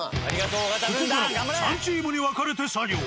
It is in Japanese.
ここからは３チームに分かれて作業。